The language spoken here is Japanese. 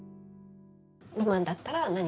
ロマンだったら何。